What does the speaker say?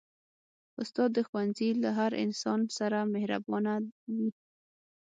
استاد د ښوونځي له هر انسان سره مهربانه وي.